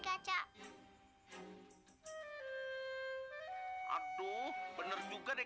tidak kamu harus menjaga diri